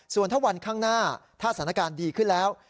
ส่วนถ้าวันข้างหน้าถ้าสถานการณ์ดีขึ้นแล้ว